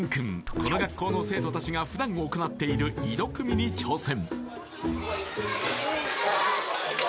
この学校の生徒たちが普段行っている井戸くみに挑戦